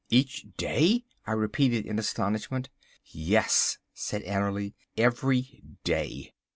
"Each day?" I repeated in astonishment. "Yes," said Annerly, "every day.